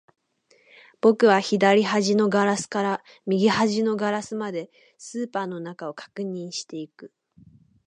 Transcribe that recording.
僕は左端のガラスから右端のガラスまで、スーパーの中を確認していく